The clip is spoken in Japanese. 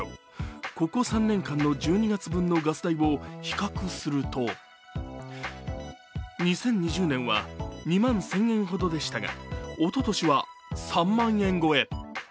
ここ３年間の１２月分のガス代を比較すると２０２０年は２万１０００円ほどでしたが、おととしは３万円超え。